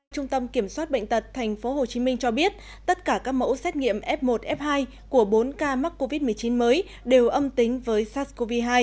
trung tâm kiểm soát bệnh tật tp hcm cho biết tất cả các mẫu xét nghiệm f một f hai của bốn ca mắc covid một mươi chín mới đều âm tính với sars cov hai